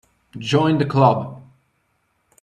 Join the Club.